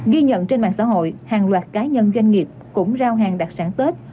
ghi nhận trên mạng xã hội hàng loạt cá nhân doanh nghiệp cũng giao hàng đặc sản tết